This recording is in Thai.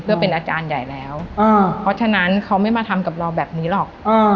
เพื่อเป็นอาจารย์ใหญ่แล้วเพราะฉะนั้นเขาไม่มาทำกับเราแบบนี้หรอก